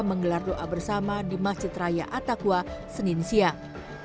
menggelar doa bersama di masjid raya atakwa senin siang